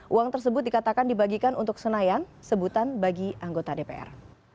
uang tersebut dikatakan dibagikan untuk senayan sebutan bagi anggota dpr